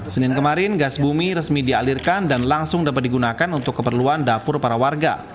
senin kemarin gas bumi resmi dialirkan dan langsung dapat digunakan untuk keperluan dapur para warga